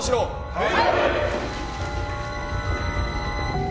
はい！